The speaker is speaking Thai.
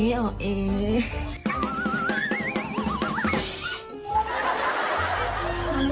นอนค่ะ